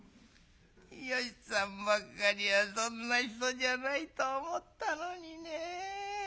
芳さんばかりはそんな人じゃないと思ったのにねぇ」。